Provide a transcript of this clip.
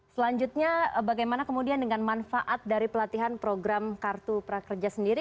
selanjutnya bagaimana kemudian dengan manfaat dari pelatihan program kartu prakerja sendiri